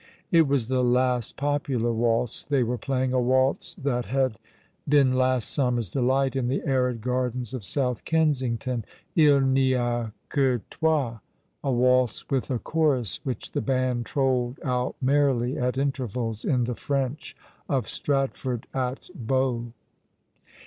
It was the last popular waltz they were playing — a waltz that had been last sijmmer's delight in the arid gardens of South Kensington —" II n'y a que toi ;" a vraltz with a chorus which the band trolled out merrily, at intervals, in the French of Stratford atte Bow.